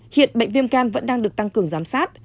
hiện bệnh viêm gan vẫn đang được tăng cường giám sát